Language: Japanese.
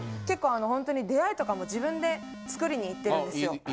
結構ほんとに出会いとかも自分で作りに行ってるんですよ。